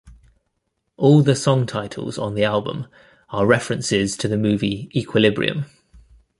All the song titles on the album are references to the movie "Equilibrium".